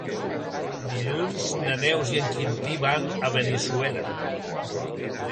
Dilluns na Neus i en Quintí van a Benissuera.